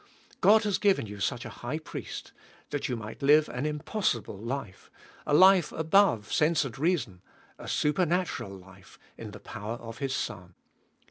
God has given you such a High Priest that you might live an impossible life, a life above sense and reason, a supernatural life in the power of His Son.